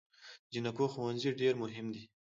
د جینکو ښوونځي ډیر مهم دی